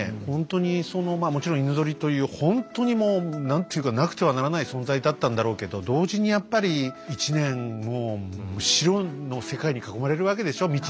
ほんとにもちろん犬ゾリというほんとにもう何ていうかなくてはならない存在だったんだろうけど同時にやっぱり１年白の世界に囲まれるわけでしょ